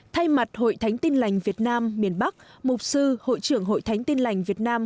thay mặt hội thánh tin lành việt nam miền bắc mục sư hội trưởng hội thánh tin lành việt nam